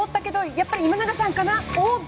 やっぱり今永さんかな。